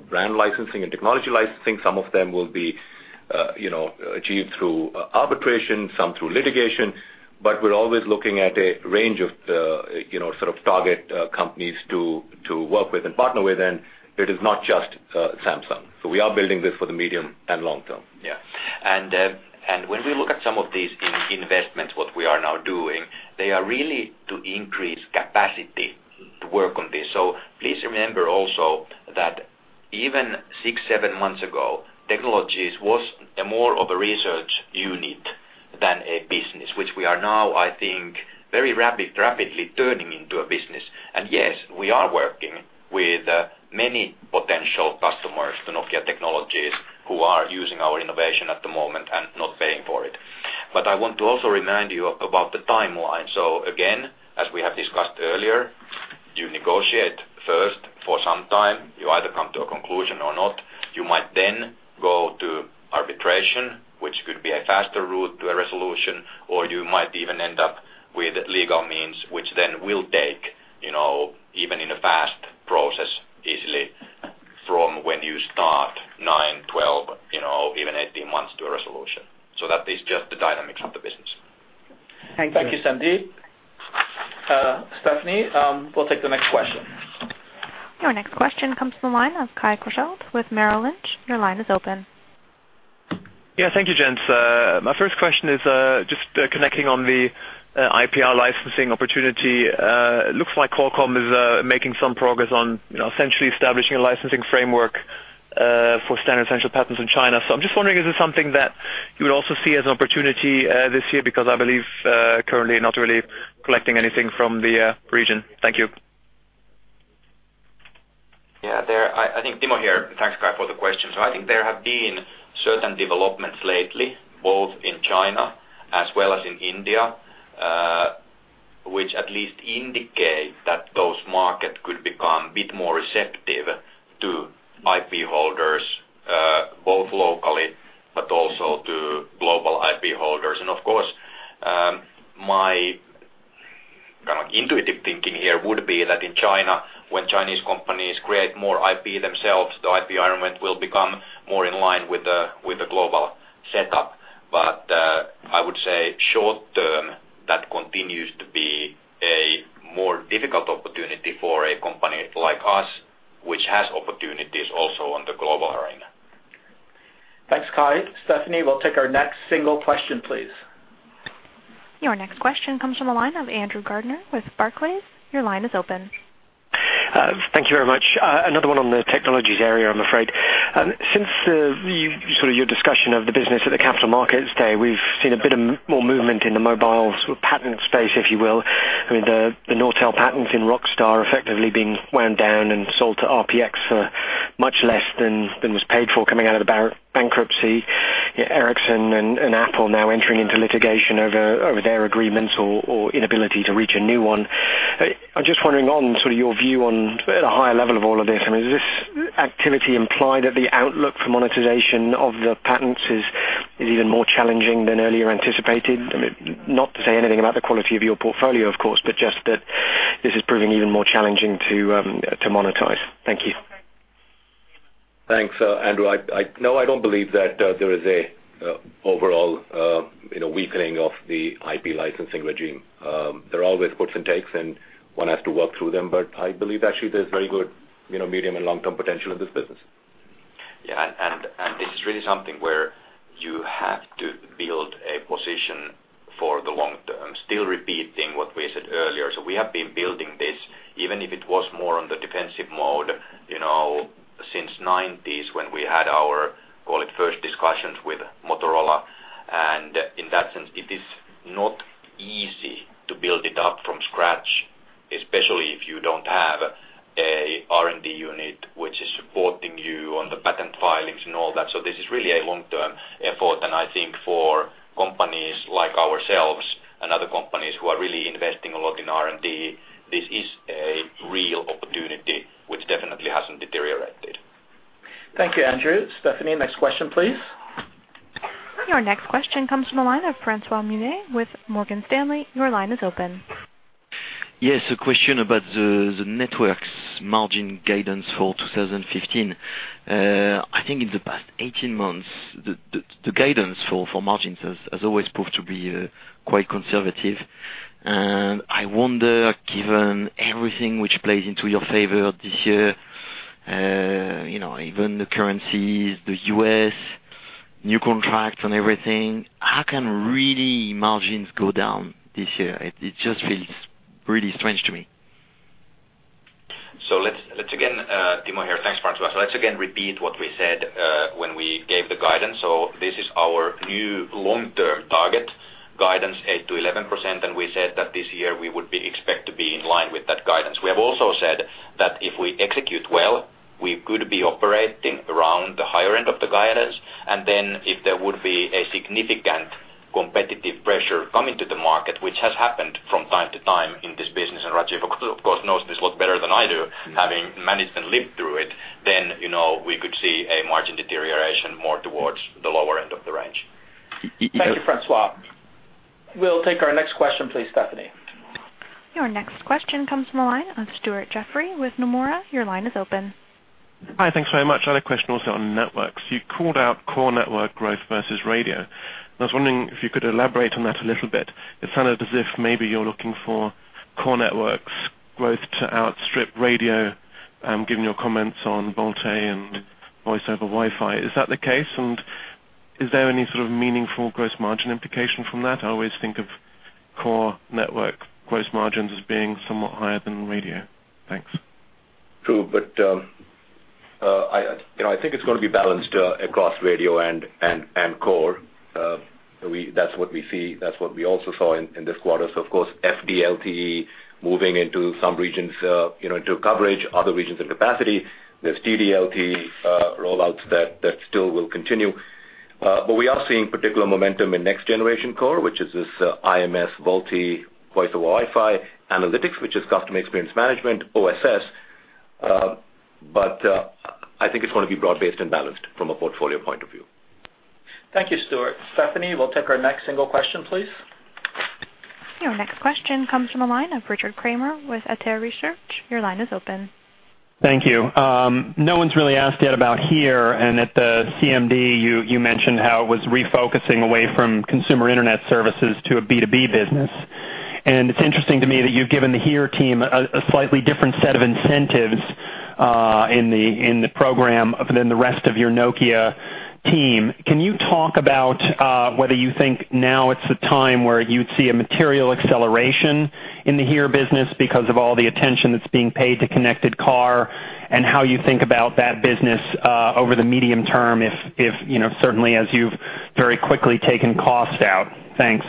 brand licensing and technology licensing. Some of them will be achieved through arbitration, some through litigation. But we're always looking at a range of sort of target companies to work with and partner with, and it is not just Samsung. So we are building this for the medium and long term. Yeah. And when we look at some of these investments, what we are now doing, they are really to increase capacity to work on this. So please remember also that even six, seven months ago, Technologies was more of a research unit than a business, which we are now, I think, very rapidly turning into a business. And yes, we are working with many potential customers to Nokia Technologies who are using our innovation at the moment and not paying for it. But I want to also remind you about the timeline. So again, as we have discussed earlier, you negotiate first for some time. You either come to a conclusion or not. You might then go to arbitration, which could be a faster route to a resolution, or you might even end up with legal means, which then will take, even in a fast process, easily from when you start nine, 12, even 18 months to a resolution. So that is just the dynamics of the business. Thank you. Thank you, Sandeep. Stephanie, we'll take the next question. Your next question comes from a line of Kai Korschelt with Merrill Lynch. Your line is open. Yeah. Thank you, gents. My first question is just connecting on the IPR licensing opportunity. It looks like Qualcomm is making some progress on essentially establishing a licensing framework for standard essential patents in China. So I'm just wondering, is it something that you would also see as an opportunity this year because I believe currently not really collecting anything from the region? Thank you. Yeah. I think Timo here. Thanks, Kai, for the question. So I think there have been certain developments lately, both in China as well as in India, which at least indicate that those markets could become a bit more receptive to IP holders, both locally but also to global IP holders. And of course, my kind of intuitive thinking here would be that in China, when Chinese companies create more IP themselves, the IP environment will become more in line with the global setup. But I would say short-term, that continues to be a more difficult opportunity for a company like us, which has opportunities also on the global arena. Thanks, Kai. Stephanie, we'll take our next single question, please. Your next question comes from a line of Andrew Gardiner with Barclays. Your line is open. Thank you very much. Another one on the Technologies area, I'm afraid. Since sort of your discussion of the business at the capital markets today, we've seen a bit of more movement in the mobile sort of patent space, if you will. I mean, the Nortel patents in Rockstar effectively being wound down and sold to RPX for much less than was paid for coming out of the bankruptcy. Ericsson and Apple now entering into litigation over their agreements or inability to reach a new one. I'm just wondering on sort of your view on at a higher level of all of this. I mean, does this activity imply that the outlook for monetization of the patents is even more challenging than earlier anticipated? I mean, not to say anything about the quality of your portfolio, of course, but just that this is proving even more challenging to monetize. Thank you. Thanks, Andrew. No, I don't believe that there is an overall weakening of the IP licensing regime. There are always puts and takes, and one has to work through them. But I believe actually there's very good medium and long-term potential in this business. Yeah. And this is really something where you have to build a position for the long term, still repeating what we said earlier. So we have been building this, even if it was more on the defensive mode since the 1990s when we had our, call it, first discussions with Motorola. And in that sense, it is not easy to build it up from scratch, especially if you don't have an R&D unit which is supporting you on the patent filings and all that. So this is really a long-term effort. And I think for companies like ourselves and other companies who are really investing a lot in R&D, this is a real opportunity which definitely hasn't deteriorated. Thank you, Andrew. Stephanie, next question, please. Your next question comes from a line of Francois Meunier with Morgan Stanley. Your line is open. Yes. A question about the Networks margin guidance for 2015. I think in the past 18 months, the guidance for margins has always proved to be quite conservative. And I wonder, given everything which plays into your favor this year, even the currencies, the U.S., new contracts and everything, how can really margins go down this year? It just feels really strange to me. So let's again, Timo here. Thanks, Francois. So let's again repeat what we said when we gave the guidance. So this is our new long-term target guidance, 8%-11%. And we said that this year, we would expect to be in line with that guidance. We have also said that if we execute well, we could be operating around the higher end of the guidance. And then if there would be a significant competitive pressure coming to the market, which has happened from time to time in this business, and Rajeev, of course, knows this a lot better than I do, having managed and lived through it, then we could see a margin deterioration more towards the lower end of the range. Thank you, Francois. We'll take our next question, please, Stephanie. Your next question comes from a line of Stuart Jeffrey with Nomura. Your line is open. Hi. Thanks very much. I had a question also on Networks. You called out core network growth versus radio. I was wondering if you could elaborate on that a little bit. It sounded as if maybe you're looking for Core Networks growth to outstrip radio, given your comments on VoLTE and Voice over Wi-Fi. Is that the case? And is there any sort of meaningful gross margin implication from that? I always think of core network gross margins as being somewhat higher than radio. Thanks. True. But I think it's going to be balanced across radio and core. That's what we see. That's what we also saw in this quarter. So of course, FD-LTE moving into some regions into coverage, other regions in capacity. There's TD-LTE rollouts that still will continue. But we are seeing particular momentum in next-generation core, which is this IMS, VoLTE, Voice over Wi-Fi analytics, which is Customer Experience Management, OSS. But I think it's going to be broad-based and balanced from a portfolio point of view. Thank you, Stuart. Stephanie, we'll take our next single question, please. Your next question comes from a line of Richard Kramer with Arete Research. Your line is open. Thank you. No one's really asked yet about HERE. And at the CMD, you mentioned how it was refocusing away from consumer internet services to a B2B business. And it's interesting to me that you've given the HERE team a slightly different set of incentives in the program than the rest of your Nokia team. Can you talk about whether you think now it's the time where you'd see a material acceleration in the HERE business because of all the attention that's being paid to connected car and how you think about that business over the medium term, certainly as you've very quickly taken cost out? Thanks.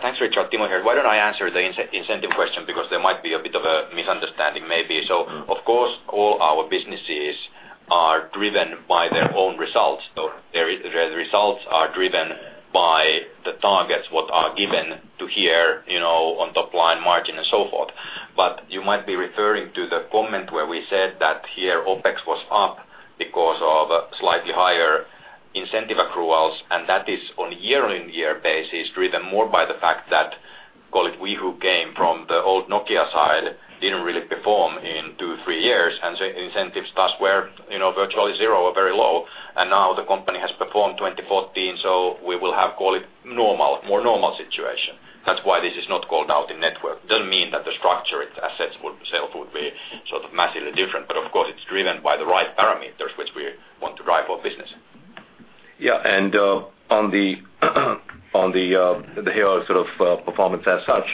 Thanks, Richard. Timo here. Why don't I answer the incentive question because there might be a bit of a misunderstanding, maybe? So of course, all our businesses are driven by their own results. So the results are driven by the targets, what are given to HERE on top line, margin, and so forth. But you might be referring to the comment where we said that HERE OpEx was up because of slightly higher incentive accruals. And that is on a year-on-year basis driven more by the fact that, call it, we who came from the old Nokia side didn't really perform in two, three years. And so incentives thus were virtually zero or very low. And now the company has performed 2014, so we will have, call it, more normal situation. That's why this is not called out in network. It doesn't mean that the structure, its assets, sales would be sort of massively different. But of course, it's driven by the right parameters which we want to drive our business. Yeah. And on the HERE sort of performance as such,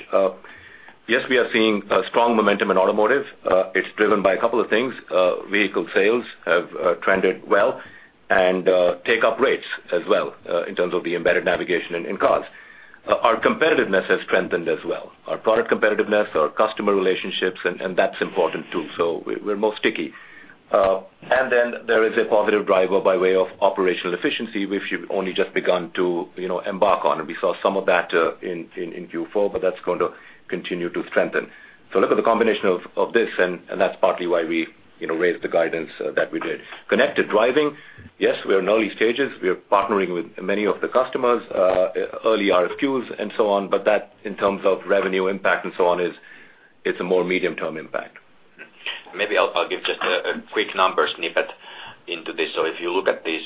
yes, we are seeing strong momentum in automotive. It's driven by a couple of things. Vehicle sales have trended well and take-up rates as well in terms of the embedded navigation in cars. Our competitiveness has strengthened as well. Our product competitiveness, our customer relationships, and that's important too. So we're more sticky. And then there is a positive driver by way of operational efficiency which you've only just begun to embark on. And we saw some of that in Q4, but that's going to continue to strengthen. So look at the combination of this, and that's partly why we raised the guidance that we did. Connected driving, yes, we're in early stages. We're partnering with many of the customers, early RFQs and so on. But that, in terms of revenue impact and so on, it's a more medium-term impact. Maybe I'll give just a quick number snippet into this. So if you look at these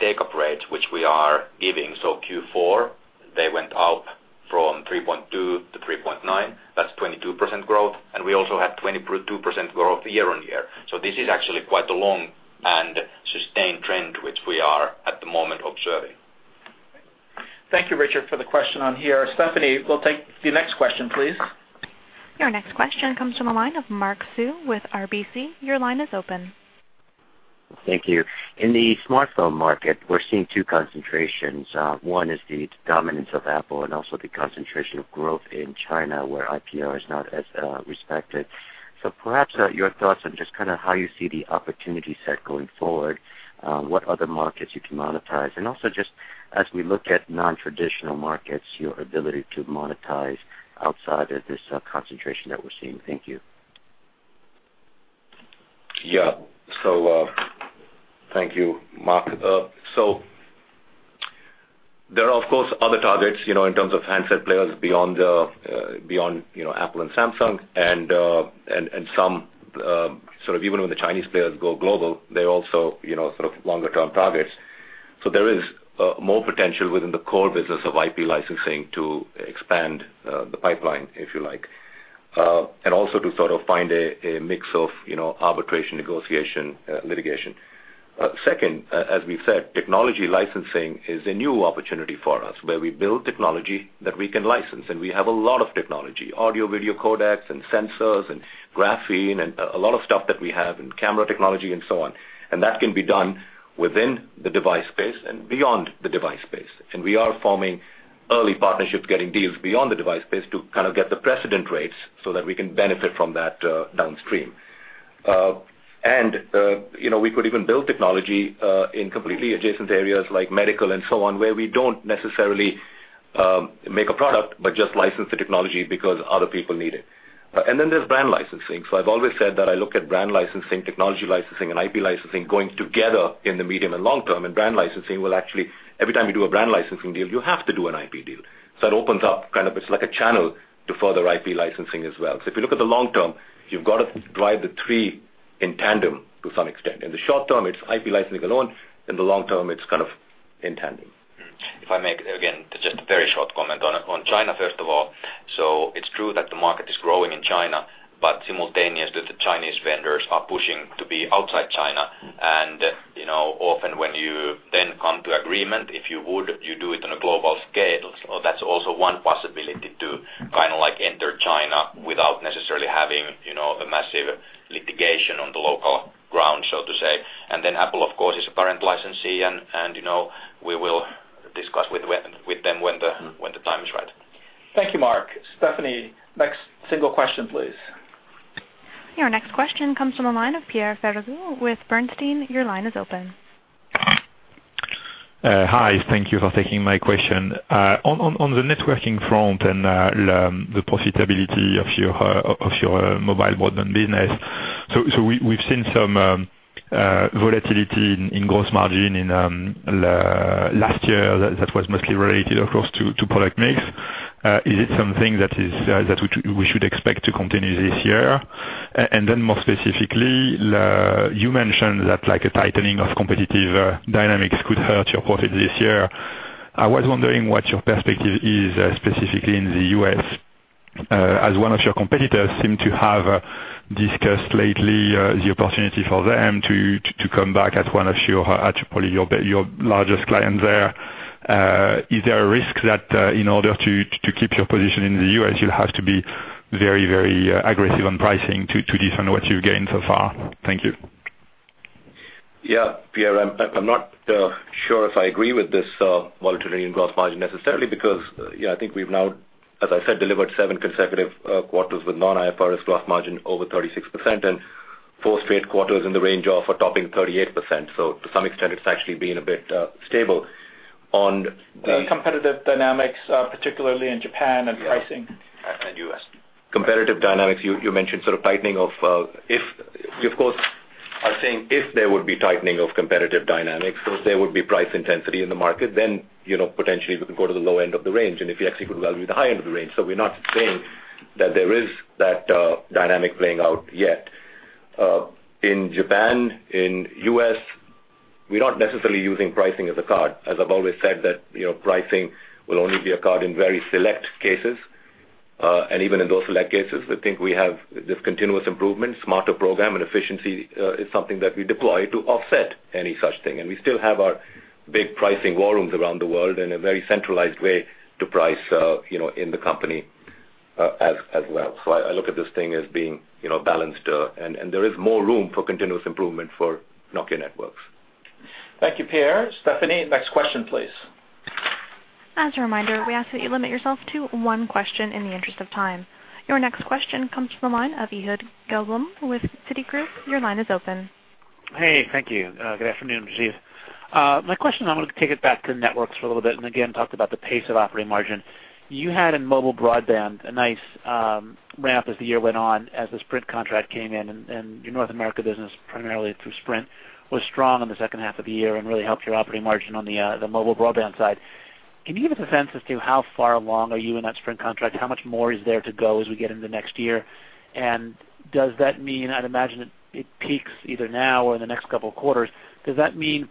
take-up rates which we are giving, so Q4, they went up from 3.2 to 3.9. That's 22% growth. And we also had 22% growth year-over-year. So this is actually quite a long and sustained trend which we are at the moment observing. Thank you, Richard, for the question on HERE. Stephanie, we'll take the next question, please. Your next question comes from a line of Mark Sue with RBC. Your line is open. Thank you. In the smartphone market, we're seeing two concentrations. One is the dominance of Apple and also the concentration of growth in China where IPR is not as respected. So perhaps your thoughts on just kind of how you see the opportunity set going forward, what other markets you can monetize, and also just as we look at non-traditional markets, your ability to monetize outside of this concentration that we're seeing. Thank you. Yeah. So thank you, Mark. So there are, of course, other targets in terms of handset players beyond Apple and Samsung. And some sort of even when the Chinese players go global, they're also sort of longer-term targets. So there is more potential within the core business of IP licensing to expand the pipeline, if you like, and also to sort of find a mix of arbitration, negotiation, litigation. Second, as we've said, technology licensing is a new opportunity for us where we build technology that we can license. And we have a lot of technology, audio-video codecs and sensors and graphene and a lot of stuff that we have and camera technology and so on. And that can be done within the device space and beyond the device space. And we are forming early partnerships, getting deals beyond the device space to kind of get the precedent rates so that we can benefit from that downstream. And we could even build technology in completely adjacent areas like medical and so on where we don't necessarily make a product but just license the technology because other people need it. And then there's brand licensing. So I've always said that I look at brand licensing, technology licensing, and IP licensing going together in the medium and long term. And brand licensing will actually, every time you do a brand licensing deal, you have to do an IP deal. So it opens up kind of, it's like a channel to further IP licensing as well. So if you look at the long term, you've got to drive the three in tandem to some extent. In the short term, it's IP licensing alone. In the long term, it's kind of in tandem. If I make, again, just a very short comment on China, first of all. So it's true that the market is growing in China, but simultaneously, the Chinese vendors are pushing to be outside China. And often when you then come to agreement, if you would, you do it on a global scale. So that's also one possibility to kind of enter China without necessarily having a massive litigation on the local ground, so to say. And then Apple, of course, is a current licensee. And we will discuss with them when the time is right. Thank you, Mark. Stephanie, next single question, please. Your next question comes from a line of Pierre Ferragu with Bernstein. Your line is open. Hi. Thank you for taking my question. On the networking front and the profitability of your mobile broadband business, so we've seen some volatility in gross margin last year. That was mostly related, of course, to product mix. Is it something that we should expect to continue this year? And then more specifically, you mentioned that a tightening of competitive dynamics could hurt your profits this year. I was wondering what your perspective is specifically in the U.S. as one of your competitors seem to have discussed lately the opportunity for them to come back at one of your probably your largest clients there. Is there a risk that in order to keep your position in the U.S., you'll have to be very, very aggressive on pricing to defend what you've gained so far? Thank you. Yeah. Pierre, I'm not sure if I agree with this volatility in gross margin necessarily because I think we've now, as I said, delivered seven consecutive quarters with non-IFRS gross margin over 36% and four straight quarters in the range of or topping 38%. So to some extent, it's actually been a bit stable. On the competitive dynamics, particularly in Japan and pricing. Yeah. And U.S. Competitive dynamics, you mentioned sort of tightening of we, of course, are saying if there would be tightening of competitive dynamics, so if there would be price intensity in the market, then potentially, we could go to the low end of the range. And if you execute well, you're at the high end of the range. So we're not saying that there is that dynamic playing out yet. In Japan, in U.S., we're not necessarily using pricing as a card. As I've always said, that pricing will only be a card in very select cases. And even in those select cases, I think we have this continuous improvement, Smarter program, and efficiency is something that we deploy to offset any such thing. We still have our big pricing war rooms around the world and a very centralized way to price in the company as well. So I look at this thing as being balanced. And there is more room for continuous improvement for Nokia Networks. Thank you, Pierre. Stephanie, next question, please. As a reminder, we ask that you limit yourself to one question in the interest of time. Your next question comes from a line of Ehud Gelblum with Citigroup. Your line is open. Hey. Thank you. Good afternoon, guys. My question, I'm going to take it back to Networks for a little bit and again talk about the pace of operating margin. You had in mobile broadband a nice ramp as the year went on as the Sprint contract came in. Your North America business, primarily through Sprint, was strong in the second half of the year and really helped your operating margin on the mobile broadband side. Can you give us a sense as to how far along are you in that Sprint contract? How much more is there to go as we get into next year? And does that mean I'd imagine it peaks either now or in the next couple of quarters? Does that mean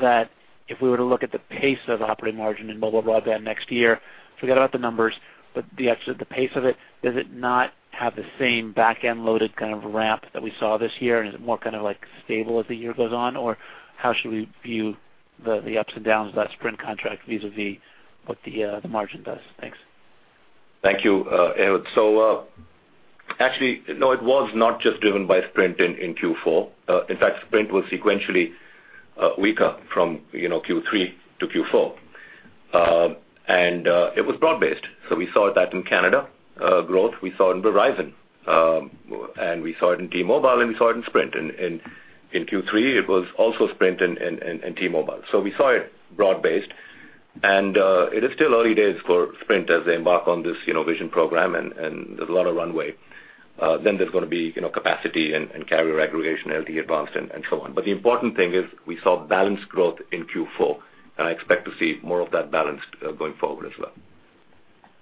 that if we were to look at the pace of operating margin in mobile broadband next year forget about the numbers, but the pace of it, does it not have the same backend-loaded kind of ramp that we saw this year? And is it more kind of stable as the year goes on? Or how should we view the ups and downs of that Sprint contract vis-à-vis what the margin does? Thanks. Thank you, Ehud. Actually, no, it was not just driven by Sprint in Q4. In fact, Sprint was sequentially weaker from Q3 to Q4. It was broad-based. We saw that in Canada growth. We saw it in Verizon. We saw it in T-Mobile. We saw it in Sprint. In Q3, it was also Sprint and T-Mobile. We saw it broad-based. It is still early days for Sprint as they embark on this Vision Program. There's a lot of runway. Then there's going to be capacity and carrier aggregation, LTE Advanced, and so on. The important thing is we saw balanced growth in Q4. I expect to see more of that balanced going forward as well.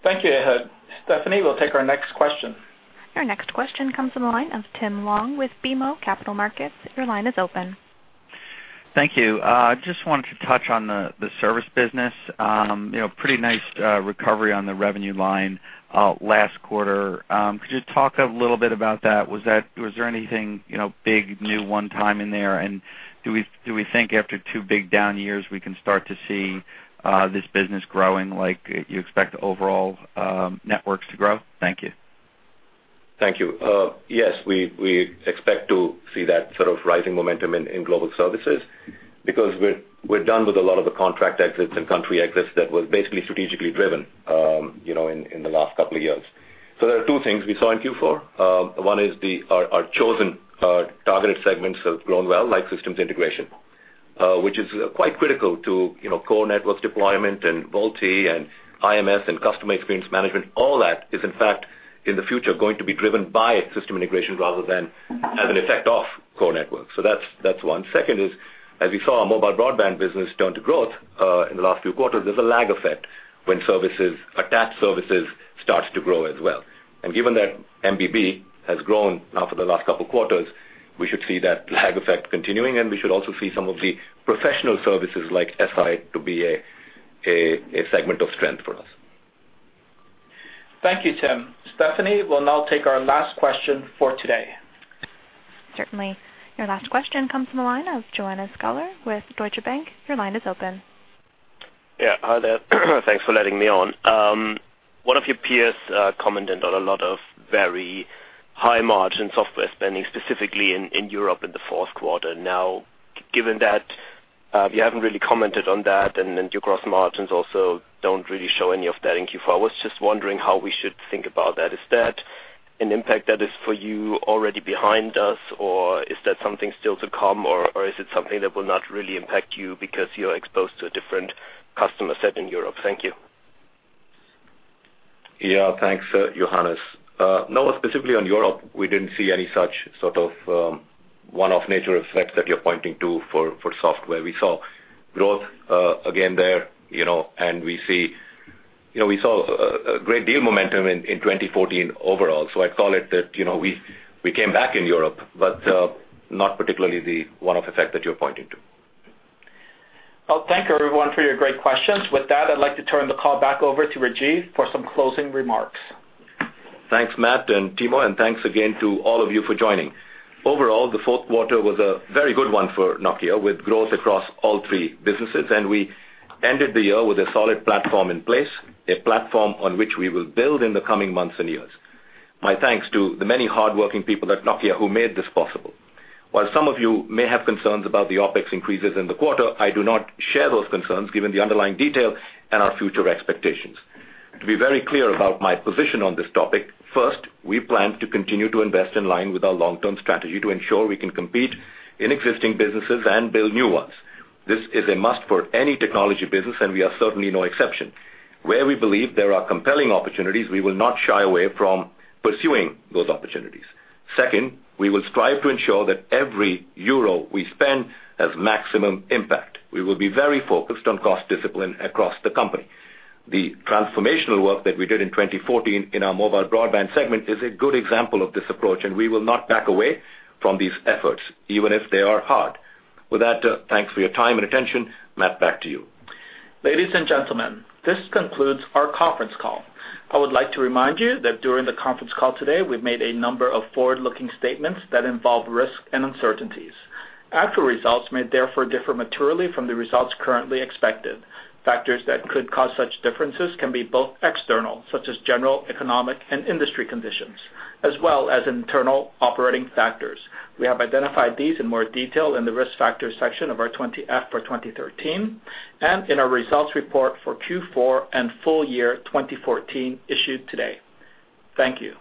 Thank you, Ehud. Stephanie, we'll take our next question. Your next question comes from a line of Tim Long with BMO Capital Markets. Your line is open. Thank you. I just wanted to touch on the service business. Pretty nice recovery on the revenue line last quarter. Could you talk a little bit about that? Was there anything big, new, one-time in there? And do we think after two big down years, we can start to see this business growing like you expect overall Networks to grow? Thank you. Thank you. Yes, we expect to see that sort of rising momentum in global services because we're done with a lot of the contract exits and country exits that were basically strategically driven in the last couple of years. So there are two things we saw in Q4. One is our chosen targeted segments have grown well like systems integration, which is quite critical to Core Networks deployment and VoLTE and IMS and Customer experience management. All that is, in fact, in the future going to be driven by system integration rather than as an effect of core networks. So that's one. Second is, as we saw our mobile broadband business turn to growth in the last few quarters, there's a lag effect when attached services starts to grow as well. And given that MBB has grown now for the last couple of quarters, we should see that lag effect continuing. And we should also see some of the professional services like SI to be a segment of strength for us. Thank you, Tim. Stephanie, we'll now take our last question for today. Certainly. Your last question comes from a line of Johannes Schaller with Deutsche Bank. Your line is open. Yeah. Hi there. Thanks for letting me on. One of your peers commented on a lot of very high-margin software spending specifically in Europe in the fourth quarter. Now, given that you haven't really commented on that and your gross margins also don't really show any of that in Q4, I was just wondering how we should think about that. Is that an impact that is for you already behind us? Or is that something still to come? Or is it something that will not really impact you because you're exposed to a different customer set in Europe? Thank you. Yeah. Thanks, Johannes. No, specifically on Europe, we didn't see any such sort of one-off nature effect that you're pointing to for software. We saw growth again there. And we saw a great deal momentum in 2014 overall. So I'd call it that we came back in Europe but not particularly the one-off effect that you're pointing to. Well, thank you, everyone, for your great questions. With that, I'd like to turn the call back over to Rajeev for some closing remarks. Thanks, Matt and Timo. Thanks again to all of you for joining. Overall, the fourth quarter was a very good one for Nokia with growth across all three businesses. We ended the year with a solid platform in place, a platform on which we will build in the coming months and years. My thanks to the many hardworking people at Nokia who made this possible. While some of you may have concerns about the OpEx increases in the quarter, I do not share those concerns given the underlying detail and our future expectations. To be very clear about my position on this topic, first, we plan to continue to invest in line with our long-term strategy to ensure we can compete in existing businesses and build new ones. This is a must for any technology business. We are certainly no exception. Where we believe there are compelling opportunities, we will not shy away from pursuing those opportunities. Second, we will strive to ensure that every euro we spend has maximum impact. We will be very focused on cost discipline across the company. The transformational work that we did in 2014 in our mobile broadband segment is a good example of this approach. We will not back away from these efforts even if they are hard. With that, thanks for your time and attention. Matt, back to you. Ladies and gentlemen, this concludes our conference call. I would like to remind you that during the conference call today, we've made a number of forward-looking statements that involve risk and uncertainties. Actual results may therefore differ materially from the results currently expected. Factors that could cause such differences can be both external such as general, economic, and industry conditions as well as internal operating factors. We have identified these in more detail in the risk factors section of our Form 20-F for 2013 and in our results report for Q4 and full year 2014 issued today. Thank you.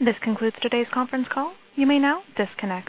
This concludes today's conference call. You may now disconnect.